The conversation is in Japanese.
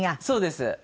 そうです。